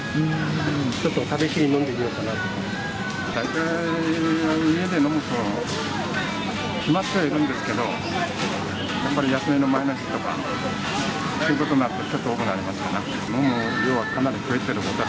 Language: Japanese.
ちょっと試しに飲んでみようかな大体家で飲むと決まってはいるんですけど、やっぱり休みの前の日とか、そういうときになるとちょっと多くなるかな。